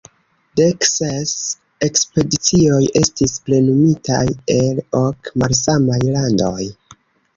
Dekses ekspedicioj estis plenumitaj el ok malsamaj landoj.